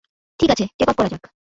ঠিক আছে, টেক-অফ করা যাক।